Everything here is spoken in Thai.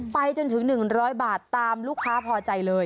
ไปจนถึง๑๐๐บาทตามลูกค้าพอใจเลย